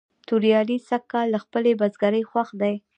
توریالی سږ کال له خپلې بزگرۍ خوښ دی.